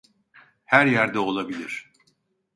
Her yerde olabilir.